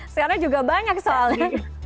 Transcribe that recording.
sekarang juga banyak soalnya